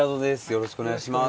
よろしくお願いします。